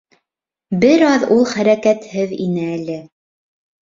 Бер аҙ ул хәрәкәтһеҙ ине әле.